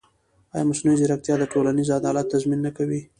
ایا مصنوعي ځیرکتیا د ټولنیز عدالت تضمین نه کوي؟